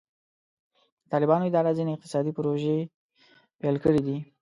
د طالبانو اداره ځینې اقتصادي پروژې پیل کړې دي.